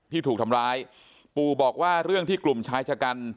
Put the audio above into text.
ที่ถูกทำร้ายปู่บอกว่าเรื่องที่กลุ่มชายชะกัน